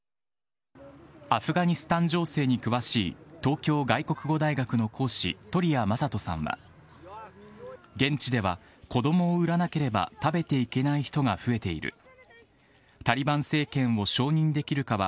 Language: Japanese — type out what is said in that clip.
アフガニスタン情勢に詳しい東京外国語大学の講師、登利谷正人さんは、現地では子どもを売らなければ食べていけない人が増えている。